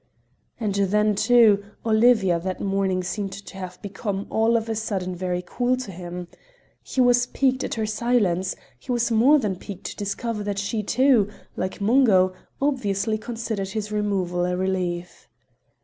And then, too, Olivia that morning seemed to have become all of a sudden very cold to him. He was piqued at her silence, he was more than piqued to discover that she too, like Mungo, obviously considered his removal a relief.